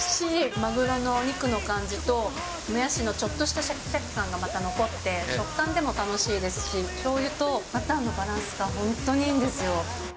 マグロのお肉の感じと、モヤシのちょっとしたしゃきしゃき感がまた残って、食感でも楽しいですし、しょうゆとバターのバランスが本当にいいんですよ。